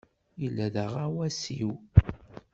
Yella d aɣawas-iw.